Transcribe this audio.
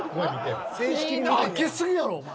開けすぎやろお前。